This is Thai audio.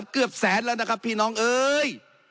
เกือบแสนแล้วนะครับพี่น้องเอ้ย